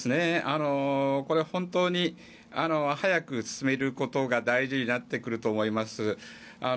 これは本当に早く進めることが大事になってくると思います。